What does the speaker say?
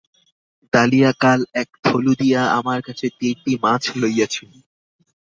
দালিয়া কাল এক থলু দিয়া আমার কাছে তিনটি মাছ লইয়াছিল।